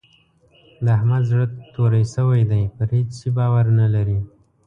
د احمد زړه توری شوی دی؛ پر هيڅ شي باور نه لري.